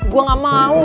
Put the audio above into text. gua gak mau